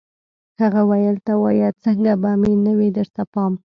هغه ویل ته وایه څنګه به مې نه وي درته پام